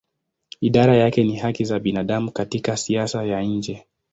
Idara yake ni haki za binadamu katika siasa ya nje.